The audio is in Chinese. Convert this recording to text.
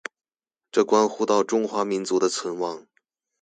这关乎到中华民族的存亡。